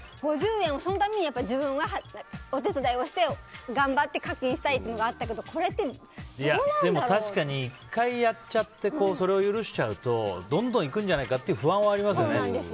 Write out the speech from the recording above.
５０円をそのために自分がお手伝いをして、頑張って課金したいっていうのがあったけどでも確かに１回やっちゃってそれを許しちゃうとどんどんいくんじゃないかっていう不安はありますよね。